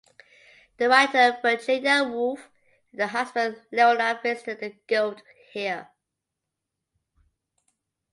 The writer Virginia Woolf and her husband Leonard visited the guild here.